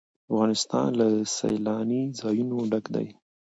افغانستان له سیلانی ځایونه ډک دی.